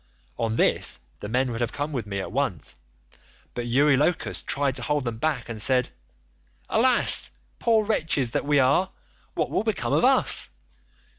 "On this the men would have come with me at once, but Eurylochus tried to hold them back and said, 'Alas, poor wretches that we are, what will become of us?